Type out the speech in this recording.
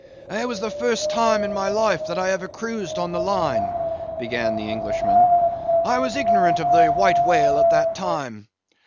"It was the first time in my life that I ever cruised on the Line," began the Englishman. "I was ignorant of the White Whale at that time.